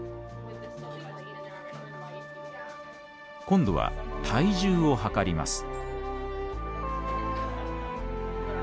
今度は体重を量ります。